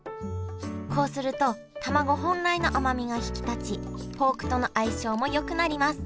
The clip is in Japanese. こうするとたまご本来の甘みが引き立ちポークとの相性もよくなります